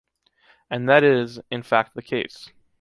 And that is, in fact the case.